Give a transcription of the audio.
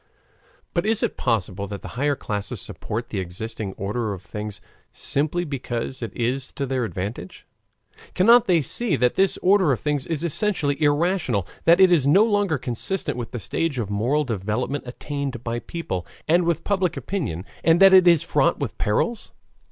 But is it possible that the higher classes support the existing order of things simply because it is to their advantage? Cannot they see that this order of things is essentially irrational, that it is no longer consistent with the stage of moral development attained by people, and with public opinion, and that it is fraught with perils?